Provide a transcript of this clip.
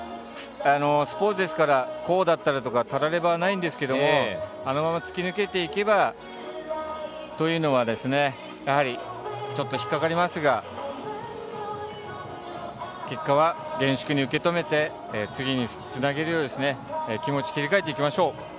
スポーツですからこうだったらとかたらればはないんですけどあのまま突き詰めていけばというのはちょっと引っかかりますが結果は厳粛に受け止めて次につなげるように気持ちを切り替えていきましょう。